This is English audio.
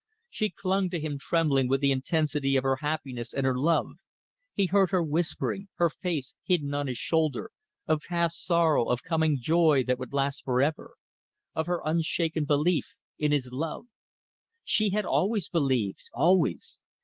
She clung to him trembling with the intensity of her happiness and her love. He heard her whispering her face hidden on his shoulder of past sorrow, of coming joy that would last for ever; of her unshaken belief in his love. She had always believed. Always!